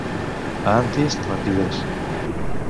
A Antist, mentiders.